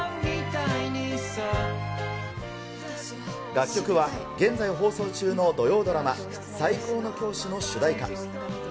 楽曲は現在放送中の土曜ドラマ、最高の教師の主題歌。